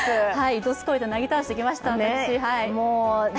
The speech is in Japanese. どすこいとなぎ倒してきました、私。